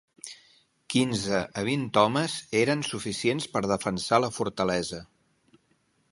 Quinze a vint homes eren suficients per defensar la fortalesa.